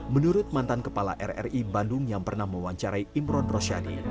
menurut mantan kepala rri bandung yang pernah mewawancarai imron rosyadi